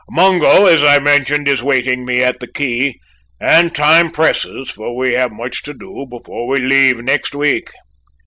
Mungo, as I mentioned, is waiting me at the quay, and time presses, for we have much to do before we leave next week."